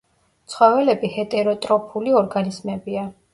ცხოველები ჰეტეროტროფული ორგანიზმებია.